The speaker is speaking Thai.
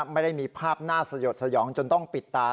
ไม่ได้มีภาพน่าสยดสยองจนต้องปิดตา